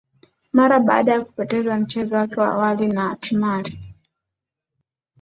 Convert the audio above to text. mara baada ya kupoteza mchezo wake wa awali na antimari